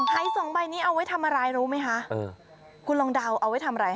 หายสองใบนี้เอาไว้ทำอะไรรู้ไหมคะเออคุณลองเดาเอาไว้ทำอะไร